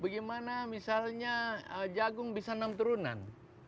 bagaimana misalnya jagung bisa enam turunan